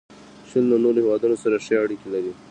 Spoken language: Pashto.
چین له نورو هیوادونو سره ښې اړیکې لري.